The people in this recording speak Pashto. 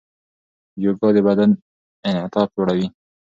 یوګا د بدن انعطاف لوړوي.